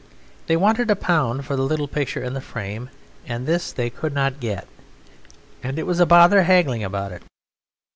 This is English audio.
They wanted a pound for the little picture in the frame, and this they could not get, and it was a bother haggling it about.